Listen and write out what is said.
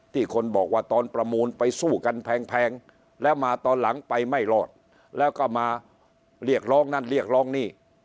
คนบอกว่าตอนประมูลไปสู้กันแพงแล้วมาตอนหลังไปไม่รอดแล้วก็มาเรียกร้องนั่นเรียกร้องนี่